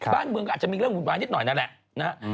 บ้านเมืองอาจจะมีเรื่องหวนภายนิดหน่อยนั่นแหละ